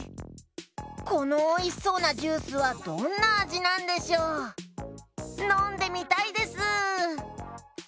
このおいしそうなジュースはどんなあじなんでしょう？のんでみたいです！